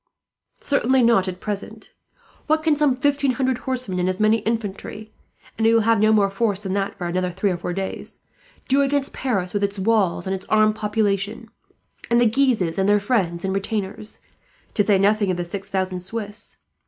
"Certainly not at present. What can some fifteen hundred horsemen and as many infantry (and he will have no more force than that, for another three or four days) do against Paris with its walls and its armed population, and the Guises and their friends and retainers, to say nothing of the six thousand Swiss?